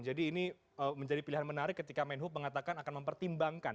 jadi ini menjadi pilihan menarik ketika menhub mengatakan akan mempertimbangkan